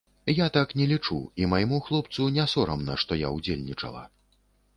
Я так не лічу, і майму хлопцу не сорамна, што я ўдзельнічала.